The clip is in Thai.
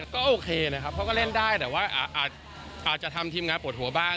ก็โอเคนะครับเขาก็เล่นได้แต่ว่าอาจจะทำทีมงานปวดหัวบ้าง